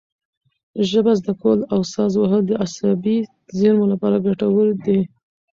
ژبه زده کول او ساز وهل د عصبي زېرمو لپاره ګټور دي.